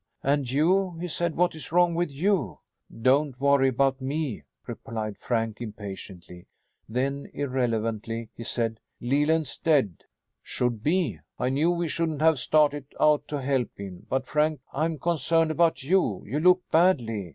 "And you," he said, "what is wrong with you?" "Don't worry about me," replied Frank impatiently. Then, irrelevantly, he said "Leland's dead." "Should be. I knew we shouldn't have started out to help him. But, Frank, I'm concerned about you. You look badly."